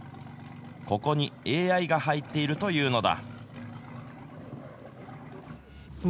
ここにＡＩが入っているというのだ。